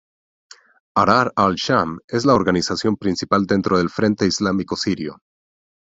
Ahrar al-Sham es la organización principal dentro del Frente Islámico Sirio.